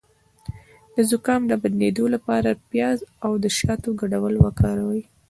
د زکام د بندیدو لپاره د پیاز او شاتو ګډول وکاروئ